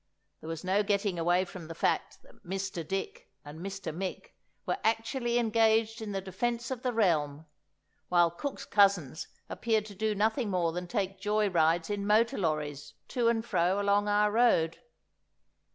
There was no getting away from the fact that Mr. Dick and Mr. Mick were actually engaged in the defence of the realm, while cook's cousins appeared to do nothing more than take joy rides in motor lorries to and fro along our road.